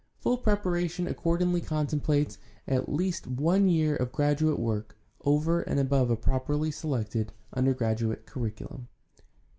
Full preparation accordingly contemplates at least one year of graduate work over and above a properly selected under graduate curriculum.